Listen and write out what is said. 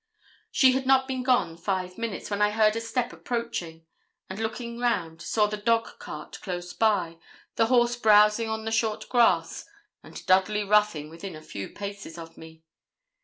She had not been gone five minutes, when I heard a step approaching, and looking round, saw the dog cart close by, the horse browsing on the short grass, and Dudley Ruthyn within a few paces of me.